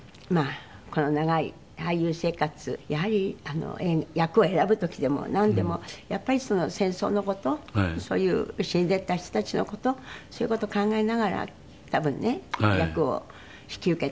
この長い俳優生活やはり役を選ぶ時でもなんでもやっぱりその戦争の事そういう死んでいった人たちの事そういう事を考えながら多分ね役を引き受けてやっていらしたんだろうなって。